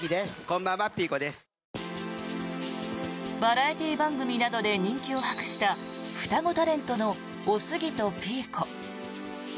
バラエティー番組などで人気を博した双子タレントのおすぎとピーコ。